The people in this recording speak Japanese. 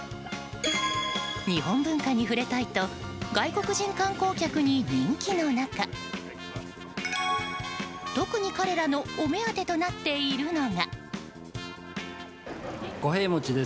日本文化に触れたいと外国人観光客に人気の中特に彼らのお目当てとなっているのが。